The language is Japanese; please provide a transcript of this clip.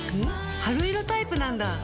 春色タイプなんだ。